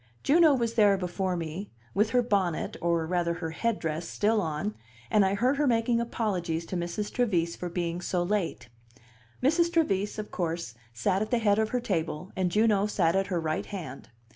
Juno was there before me, with her bonnet, or rather her headdress, still on, and I heard her making apologies to Mrs. Trevise for being so late. Mrs. Trevise, of course, sat at the head of her table, and Juno sat at her right hand.